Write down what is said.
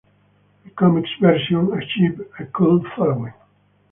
A comics version achieved a cult following.